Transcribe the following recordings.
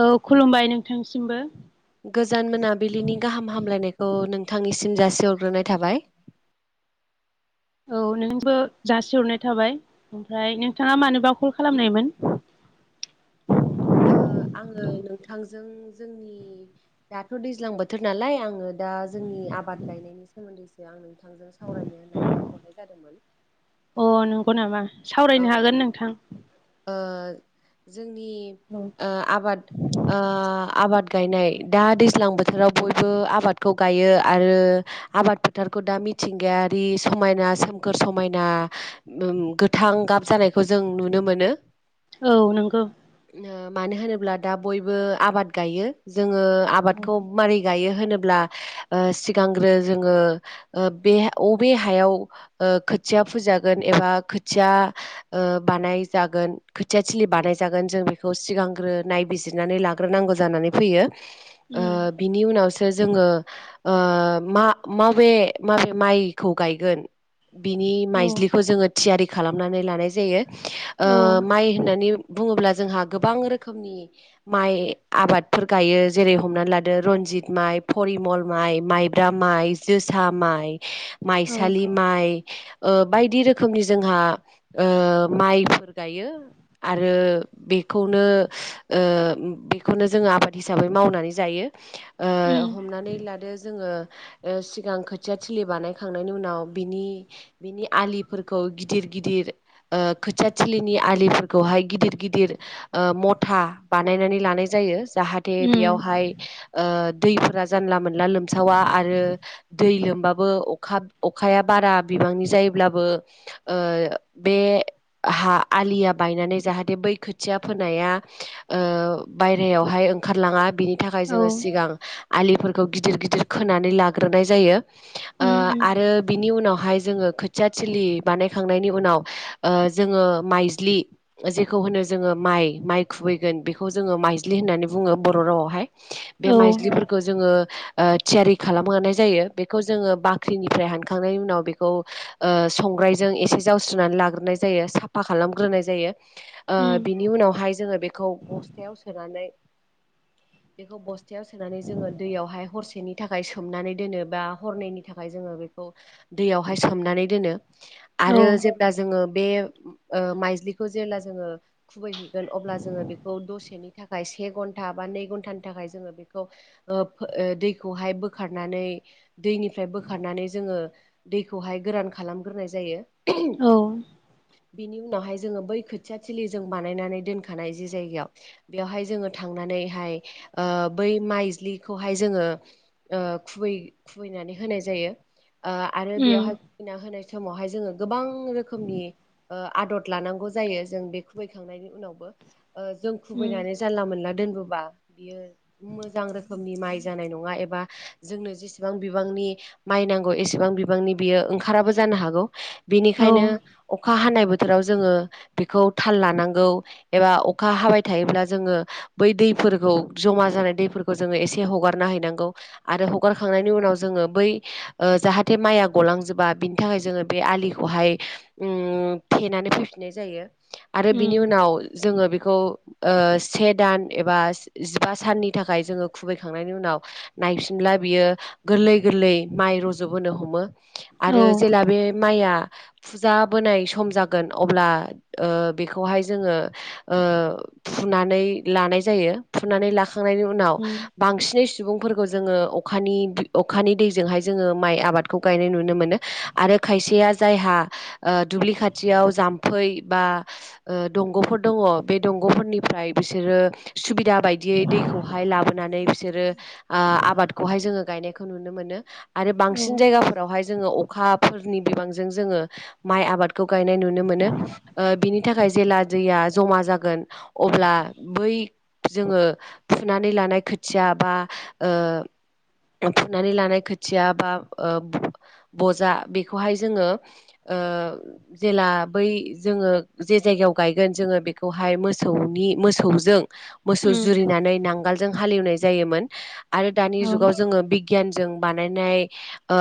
औ खुलुमबाय नोंथांसिमबो गोजोन मोनाबिलिनि गाहाम हामलायनायखौ औ नोंथांनिसिम जासिहरग्रोनाय थाबाय। औ नोंबो जासिहरनाय थाबाय ओमफ्राय नोंथाङा मानो बाव कल खालामनायमोन आङो नोंथांजों जोंनि दाथ' दैज्लां बोथोर नालाय आङो दा जोंनि आबाद गायनायनि सोमोन्दैसो आं नोंथांजों सावरायनो होननानै हरनाय जादोंमोन। अ नंगौ नामा सावरायनो औ हागोन नोंथां। ओ जोंनि औ आबाद आबाद गायनाय दा दैज्लां बोथोराव बयबो आबादखौ गायो आरो आबाद फोथारखौ दा मिथिंगायारि समायना सोमखोर समायना गो थां गाब जानायखौ जों नुनो मोनो। औ नंगौ ओ मानो होनोब्ला दा बयबो आबाद गायो जोङो उम आबादखौ मारै गायो होनोब्ला जोंङो बे अबे हायाव खो खोथिया फोजागोन एबा खोथिया बानाय जागोन खोथिया थिलि बानाय जागोन जों बेखौ सिगांग्रो नायबिजिर ग्रोनानै लाग्रोनांगौ जायो। बिनि उनावसो जोङो माबे माबे माइखौ गायगोन बिनि औ माइज्लिखौ जोङो थियारि खालामनानै लानाय जायो। औ माइ होननानै बुङोब्ला जोंहा गोबां रोखोमनि माइ आबादफोर गायो जेरै हमनानै लादो रन्जित माइ फरिमल माइ माइब्रा माइ माइ जोंहा माइ माइ औ सालि माइ बायदि रोखोमनि जोंहा माइफोर गायो आरो बेखौनो बेखौनो जोङो आबाद हिसाबै मावनानै जायो। ओ उम हमनानै लादो जोङो सिगां खोथिया थिलि बानायखांनायनि उनाव बिनि बिनि आलिफोर गिदिर गिदिर खोथियाथिलिनि आलिफोरखौहाय गिदिर गिदिर मथर था बानायनानै लानाय जायो। जाहाथे उम बेयावहाय दैफोरा जानला मोनला लोमसावा आरो दै लोमबाबो अखा अखाया बारा बिबांनि जायोब्लाबो ओ बे हा आलिया बायनानै जाहाथे बै खोथिया फोनाया ओ बायरायावहाय ओंखारलाङा बिनि थाखाय औ जोङो सिगां आलिफोरखौ गिदिर गिदिर खोनानै लाग्रोनाय जायो। ओ उम उम आरो बिनि उनावहाय जोङो खोथियाथिलि बानायखांनायनि उनाव ओ जोङो माइज्लि जेखौ होनो जोङो माइ माइ गोन बेखौ जोङो माइज्लि होननानै बुङो बर' रावावहाय बे औ माइज्लिफोरखौ जोङो ओ थियारि खालामनाय जायो बेखौ जोङो बाख्रिनिफ्राय हानखांनायनि उनाव बेखौ ओ संग्राइ जों एसे जावस्रोनानै लाग्रोनाय जायो साफा खालामग्रोनाय जायो। ओ उम बिनि उनावहाय जोङो बेखौ बस्थायाव सोनानै बेखौ बस्थायाव सोनानै जोङो दैयावहाय हरसेनि थाखाय सोमनानै दोनो बा हरनैनि थाखाय जोङो बेखौ दैयावहाय सोमनानै दोनो औ आरो जेब्ला जोङो बे ओ माइज्लिखौ जेब्ला जोङो खुबैहैगोन अब्ला जोङो बेखौ दसेनि थाखाय से घन्टा नै घन्टानि थाखाय जोङो बेखौ ओ दैखौहाय बोखारनानै दैनिफ्राय बोखांनानै बोखारनानै जोङो दैखौहाय गोरान खालामग्रोनाय जायो। औ बिनि उनावहाय जोङो बै खोथिया थिलि जों बानायनानै दोनखानाय जि जायगायाव बेयावहाय जोङो थांनानै हाय ओ बै माइज्लिखौहाय जोङो ओ खुबै खुबैनानै होनाय जायो। आरो बेयावहाय उम खुबैना होनाय समावहाय जोङो गोबां रोखोमनि ओ आदर लानांगौ जायो जों बे खुबैखांनायनि उनावबो जों उम खुबैनानै जानला मोनला दोन नोबा बियो मोजां रोखोमनि माइ जानाय नङा एबा जोंनो जेसेबां बिबांनि माइ नांगौ एसेबां बिबांनि बियो ओंखाराबो जा नो हागौ औ बेनिखायनो अखा हानाय बोथोराव जोङो बेखौ थाल लानांगौ एबा अखा हाबाय थायोब्ला जोङो बै दै फोरखौ जमा जानाय दैफोरखौ जोङो एसे हगारना हैनांगौ आरो हगारखांनायनि उनाव जोङो बै जाहाथे माइया गलांजोबा बिनि थाखाय जोङो बे आलि खौहाय थेनानै फैफिननाय जायो आरो बिनि उम उनाव जोङो बेखौ ओ से दान एबा जिबा साननि थाखाय जोङो खुबैखांनायनि उनाव नायफिनब्ला बियो गोरलै गोरलै माइ रज'बोनो हमो औ आरो जेला बे माइआ फुजा बोनाय सम जागोन अब्ला ओ बेखौहाय जोङो फुनानै लानाय जायो फुनानै लाखांनायनि उनाव उम बांसिनै सुबुंफोरखौ जोङो अखानि अखानि दैजोंहाय जोङो माइ आबादखौ गायनाय नुनो मोनो आरो खायसेया जायहा ओ दुब्लि खाथियाव जामफै बा ओ दंग'फोर दङ बे दं फोरनिफ्राय बिसोरो सुबिदा बादियै दैखौहाय लाबोनानै बिसोरो आ आ आबादखौहाय जोङो गायनायखौ नुनो मोनो। आरो औ बांसिन जायगाफोरावहाय जोङो अखाफोरनि बिबांजों जोङो माइ आबादखौ गायनाय नुनो मोनो बिनि थाखाय जेला दैया जमा जागोन अब्ला बै जोङो फुनानै लानाय खोथिया बा ओ फुनानै लानाय खोथिया बा ओ बजा बेखौहाय जोङो ओ जेला बै जोङो जे जायगायाव गायगोन जोङो बेखौहाय बेहाय मोसौनि मोसौजों मोसौ उम जुरिनानै नांगोलजों हालेवनाय जायोमोन आरो दानि औ जुगाव जोङो बिगियान जों बानायनाय ओ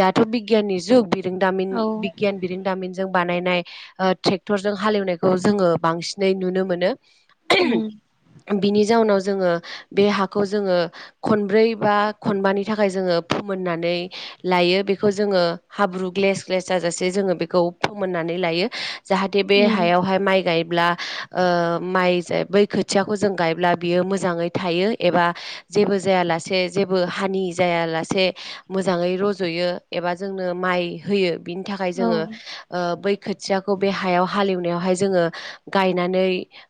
दाथ' बिगियाननि जुग बिरोंदामिन औ बिगियान बिदों दामिन जों बानायनाय ओ ट्रेक्टरजों हालेवनायखौ जोङो बांसिनै नुनो मोनो। [inaudible] उम बिनि जाउनाव जोङो बे हाखौ जोङो खनब्रै बा खनबानि थाखाय जोङो फोमोन होनानै लायो बेखौ जोङो हाब्रु ग्लेस ग्लेस जाजासे जोङो बेखौ फोमोननानै लायो। जाहाथे बे उम हायावहाय माइ गायोब्ला माइ बै खोथियाखौ जों गायब्ला बियो मोजाङै थायो एबा जेबो जायालासे जेबो हानि जाया लासे मोजाङै रज'यो एबा जोंनो माइ होयो बिनि थाखाय औ जोङो बै खोथियाखौ बे हायाव हालेवनायाव जोङो गायनानै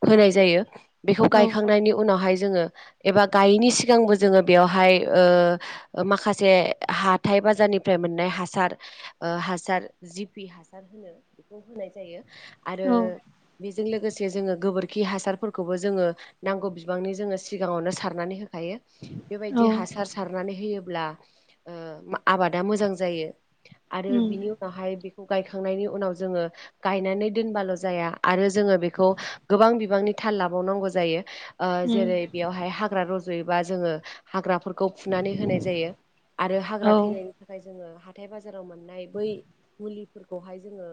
होनाय जायो बेखौ औ गायखांनायनि उनावहाय जोङो एबा गायैनि सिगांबो जोङो बेयावहाय माखासे हाथाइ बाजारनिफ्राय मोननाय हासार हासार जिपि हासार होनो बेखौ होनाय जायो। आरो औ बेजों लोगोसे जोङो गोबोरखि हासारफोरखौबो जोङो नांगौ बिबांनि जोङो सिगाङावनो सारनानै होखायो। बेबायदि औ हासार सारनानै होयोब्ला आबादा मोजां जायो। आरो उम बिनि अनावहाय गायखांनायनि उनाव जोङो गायनानै दोनबाल' जाया आरो जोङो बेखौ गोबां बिबांनि थाल लाबावनांगौ जायो उम जेरै बेयावहाय हाग्रा रज'योबा जोङो हाग्रा खौ फुनानै होनाय जायो आरो औ हाग्रा थैनायनि थाखाय जोङो हाथाइ बाजाराव मोननाय बै मुलिफोरखौहाय जोङो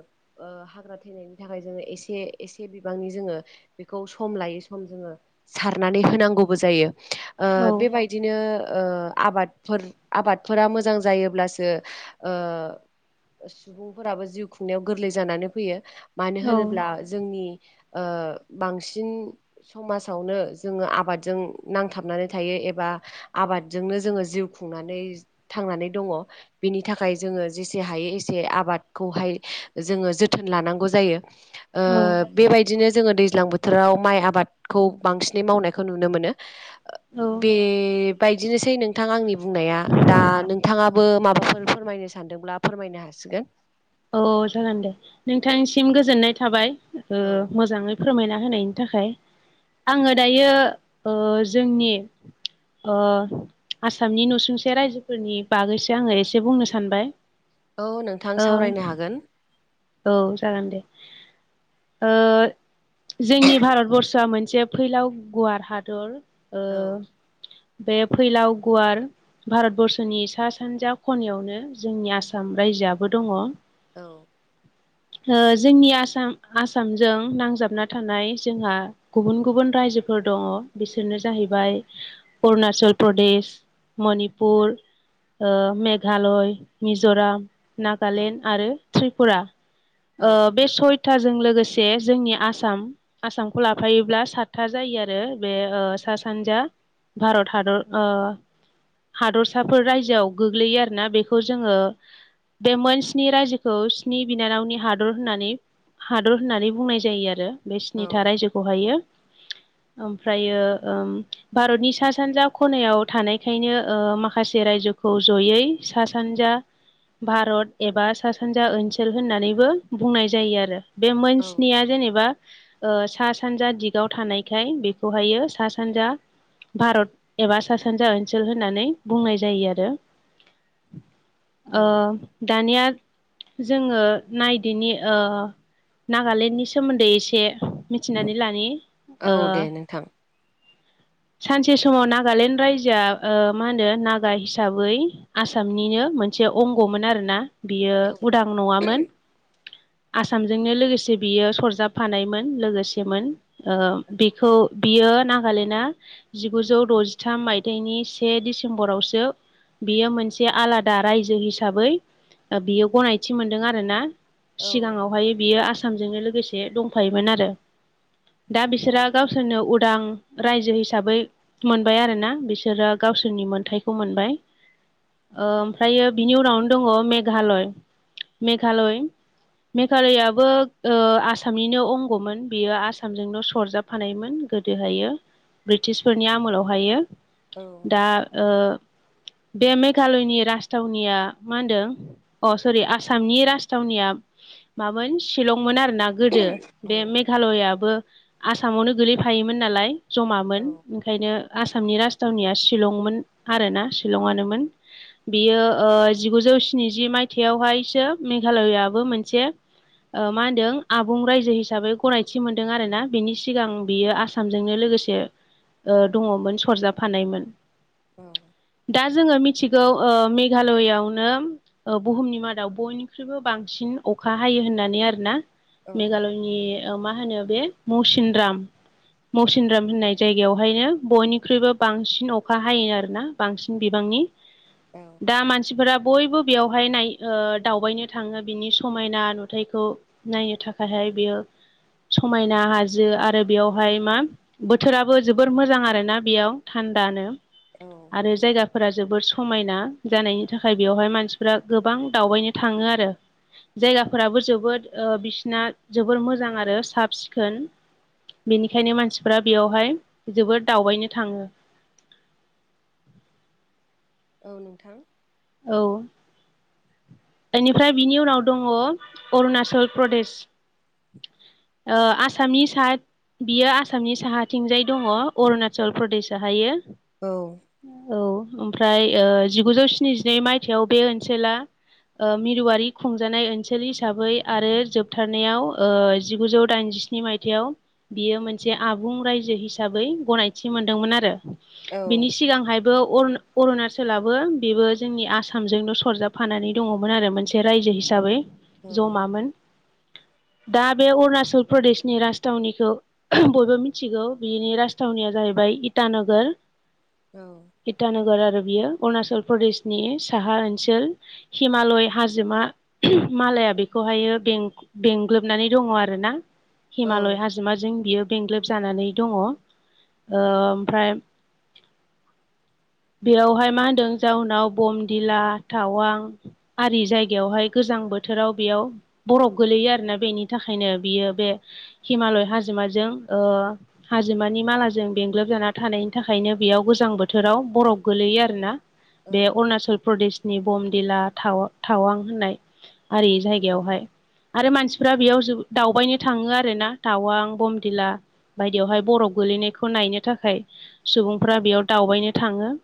हाग्रा थैनायनि थाखाय जोङो एसे एसे बिबांनि जोङो बेखौ सम लायै सम जोङो सारनानै होनांगौबो जायो। ओ बेबायदिनो आबादफोर आबादफोरा मोजां जायोब्लासो सुबुंफोराबो जिउ खुंनायाव गोरलै जानानै फैयो। मानो औ होनोब्ला जोंनि बांसिन समाजावनो जोङो आबादजों नांथाबनानै थायो। एबा आबादजोंनो जोङो जिउ खुंनानै थांनानै दङ बेनि नि थाखाय जोङो जेसे हायो एसे आबादखौहाय जोङो जोथोन लानांगौ जायो औ बेबायदिनो जोङो दैज्लां बोथोराव माइ आबादखौ बांसिनै मावनायखौ नुनो मोनो। औ बेबायदिनोसै नोंथां आंनि बुंनाया दा नोंथाङाबो माबाफोर फोरमायनो सानदोंब्ला फोरमायनो हासिगोन। औ जागोन दे नोंथांसिम गोजोननाय थाबाय औ मोजाङै फोरमायना होनायनि थाखाय आङो दायो जोंनि आसामनि नसुंसे रायजोफोरनि बागैसो आङो एसे बुंनो सानबाय औ नोंथां ओ सावरायनो हागोन औ जागोन दे जोंनि भारतबरस'आ मोनसे मोनसे फैलाव गुवार हादर औ बे फैलाव गुवार भारतबर्स'नि सा सानजा खनायावनो जोंनि आसाम रायजोआबो दङ। औ [inaudible] जोंनि आसाम आसामजों नांजाबना थानाय जोंहा गुबुन गुबुन रायजोफोर दङ बिसोरनो जाहैबाय अरुणाचल प्रदेश, मणिपुर, मेघालय, मिज'राम, औ नागालेण्ड आरो त्रिपुरा औ बे सयथा जों लोगोसे जोंनि आसाम आसामखौ लाफायोब्ला सातथा जायो आरो बे सानजा भारत हादर ओ हादरसाफोर रायजोआव गोग्लैयो आरोना बेखौ जोङो बे मोनस्नि रायजोखौ बिनि बिनानावनि हादर होननानै हादर होननानै बुंनाय जायो आरो बे औ स्निथा रायजोखौहायो [inaudible] ओमफ्रायो ओ भारतनि सा सानजा खनायाव थानायखायनो माखासे राय जोखौ जयै सा सानजा भारत एबा सा सानजा ओनसोल होननानैबो बुंनाय जायो आरो बे मोन औ स्निया जेनेबा ओ सा सानजा दिगाव थानायखाय बेखौहायो सा सानजा भारत एबा सा सानजा ओनसोल होननानै बुंनाय जायो आरो [inaudible] ओ औ दानिया जोङो नायदिनि नागालेण्डनि सोमोन्दै एसे मिथिनानै लानि औ ओ दे नोंथां सानसे समाव नागालेण्ड रायजोआ मा होनदो ओ नागा हिसाबै आसामनिनो मोनो मोनसे अंग'मोन आरोना बियो औ उदां नङामोन आसामजोंनो लोगोसे बियो सरजाबफानायमोन लोगोसेमोन बेखौ बियो नागालेण्डआ जिगुजौ द'जिथाम मायथाइनि से डिसेम्बरावसो बियो मोनसे आलादा रायजो हिसाबै बियो गनाय -थि मोनदों आरोना औ सिगाङावहाय बियो आसा -सामजोंनो लोगोसे दंफायोमोन आरो दा औ बिसोरा गावसोरनो उदां रायजो हिसाबै मोनबाय आरोना बिसोरो गावसोरनि मोनथायखौ मोनबाय ओ ओमफ्रायो बिनि उनावनो दङ मेघालय मेघालय मेघालयाबो आसामनिनो अंग'मोन बेयो आसामजोंनो सरजाबफानायमोन गोदोहायो ब्रिटिसफोरनि आमोलावहायो औ दा बे मेघालयनि राजथावनिया मा होनदों अ सरि आसा आसामनि राजथावनिया मामोन शिलंमोन आरोना गोदो बे मेघालयाबो आसामावनो गोलैफायोमोन नालाय जमामोन ओंखायनो आसामनि राजथावनिया शिलंमोन आरोना शिलंनोमोन बियो जिगुजौ स्निजि मायथायावहायसो मेघालयाबो मोनसे मा होनदों आबुं रायजो हिसाबै गनायथि मोनदों आरोना बेनि सिगां बियो आसामजोंनो लोगो -गोसे दङमोन सरजाफानायमोन। दा जोङो मिथिगौ मेघालयावनो बुहुमनि मादाव बयनिख्रुइबो बांसिन अखा हायो होननानै आरोना औ मेघालयनि मा होनो बे मौसिनराम मसिनराम होननाय जायगायावहायनो बयनिख्रुइबो बांसिन अखा हायो आरोना बांसिन बिबांनि। औ दा मानसिफोरा बयबो बेवहाय नाय ओ दावबायनो थाङो बिनि समायना नुथायखौ नायनो थाखायहाय बियो समायना हाजो आरो बेयावहाय मा बोथोराबो जोबोर मोजां आरोना बेयाव थानो औ आरो जायगाफोरा जोबोर सम समायना जानायनि थाखाय बेवहाय मानसिफ्रा गोबां दावबायनो थाङो आरो जायगाफोराबो जोबोद बिसिना जोबोर मोजां आरो साब सिखोन बेनिखायनो मानसिफ्रा बेयावहाय जोबोर दावबायनो थाङो। [inaudible] औ नोंथां। औ। बेनिफ्राय बिनि उनाव दङ अरुणाचल प्रदेश [inaudible] आसामि साद बियो आसामनि साहाथिंजाय दङ अरुणाचल प्रदेशआहायो। औ। औ ओमफ्राय जिगुजौ स्निजिनै मायथायाव बे ओनसोला मिरुआरि खुंजानाय ओनसोल हिसाबै आरो जोबथारनायाव ओ जिगुजौ दाइनजिस्नि मायथाइाव बियो मोनसे आबुं रायजो हिसाबै गनायथि मोनदोंमोन आरो। औ बिनि सिगांहायबो अरन अरुणाचलाबो बेबो जोंनि आसामजोंनो सरजाबफानानै दङमोन आरो मोनसे रायजो हिसाबै जमामोन दा बे अरुणाचल प्रदेशनि राजथावनिखौ बयबो मिथिगौ बिनि राजथावनिया जाहैबाय इ टानगर औ इटानगर आरो बियो अरुणाचल प्रदेशनि साहा ओनसोल हिमालय हाजोमा मालाय बेखौहायो बेंग्लोबनानै दङ आरोना हिमालय औ हाजोमााजों बियो बेंग्लोब जानानै दङ ओमफ्राय [inaudible] बेयावहाय मा होनदों जाहनाव बमदिला टावां आरि जायगायावहाय गोजां बोथोराव बेयाव बरफ गोलैयो आरोना बेनि नि थाखायनो बियो बे हिमालय हाजोमाजों हाजोमानि मालाजों बेंग्लोब जाना थानायनि थाखायनो बेयाव गोजां बोथोराव बरफ गोलैयो आरोना औ बे अरुणाचल प्रदेश नि बमदिलााव थावां होननाय। आरि जायगायावहाय आरो मानसिफ्रा बेयाव दावबायनो थाङो आरोना दावां बमदिला बायदियावहाय बरफ गोलैनायखौ नायनो थाखाय सुबुंफ्रा बेयाव दावबायनो थाङो।